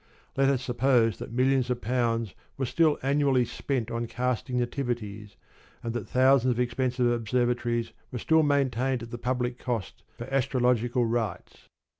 Let us suppose that millions of pounds were still annually spent on casting nativities, and that thousands of expensive observatories were still maintained at the public cost for astrological rites.